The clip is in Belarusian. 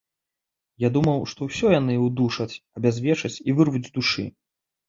Я думаў, што ўсё яны ўдушаць, абязвечаць і вырвуць з душы.